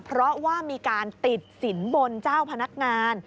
เพราะว่ามีการติดสินบนเจ้าพนักงาน